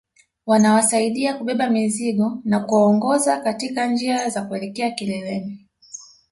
Wanawasaidia kubeba mizigo na kuwaongoza katika njia za kuelekea kileleni